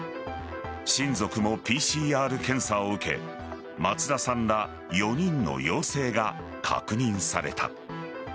親族もＰＣＲ検査を受け松田さんら４人の陽性が確認された。